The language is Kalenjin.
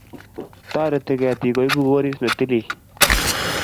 toretuu ketik koibuu koris netalil